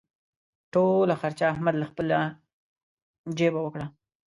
ټوله خرچه احمد له خپلې جېبه وکړه.